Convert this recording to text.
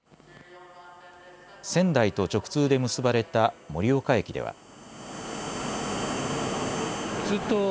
仙台と直通で結ばれた盛岡駅では。